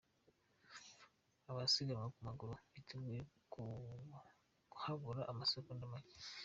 Abasiganwa ku maguru biteguye habura amasegonda macye.